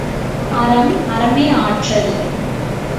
அறம் அறமே ஆற்றல்!